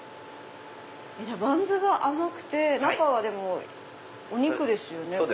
じゃあバンズが甘くて中はでもお肉ですよね？